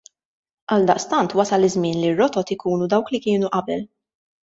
Għaldaqstant wasal iż-żmien li r-rotot ikunu dawk li kienu qabel.